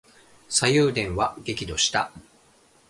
左右田は激怒した。